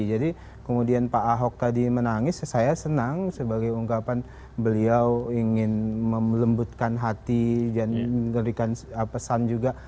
jadi kemudian pak ahok tadi menangis saya senang sebagai ungkapan beliau ingin melembutkan hati dan memberikan pesan juga